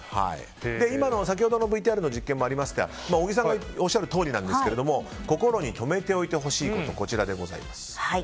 先ほどのＶＴＲの実験もありましたが小木さんがおっしゃるとおりなんですが心にとめておいてほしいこと。